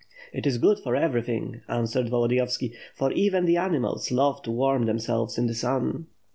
'^ "It is good for everything," answered Volodiyovski, "for even the animals love to warm themselves in the sun."